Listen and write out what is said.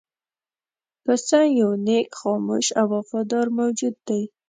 پسه یو نېک، خاموش او وفادار موجود دی.